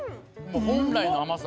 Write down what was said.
本来の甘さ。